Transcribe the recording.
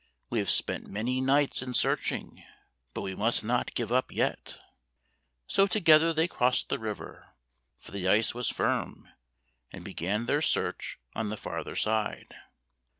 We have spent many nights in searching, but we must not give up yet." So together they crossed the river, for the ice was firm, and began their search on the farther side.